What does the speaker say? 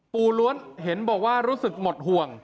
ล้วนเห็นบอกว่ารู้สึกหมดห่วง